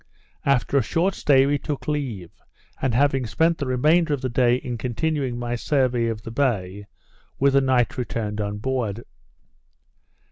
After a short stay, we took leave; and having spent the remainder of the day in continuing my survey of the bay, with the night returned on board.